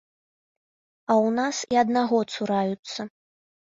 А ў нас і аднаго цураюцца.